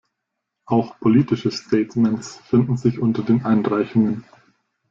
Auch politische Statements finden sich unter den Einreichungen.